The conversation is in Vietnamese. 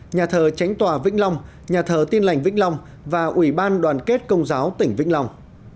nhà thờ tránh tòa vĩnh long nhà thờ tin lành vĩnh long và ủy ban đoàn kết công giáo tỉnh vĩnh long